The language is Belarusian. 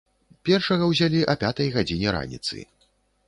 Першага ўзялі а пятай гадзіне раніцы.